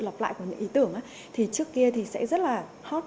lặp lại của những ý tưởng á thì trước kia thì sẽ rất là hot